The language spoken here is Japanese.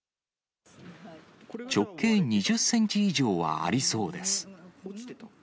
直径２０センチ以上はありそうです。